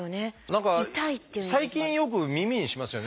何か最近よく耳にしますよね。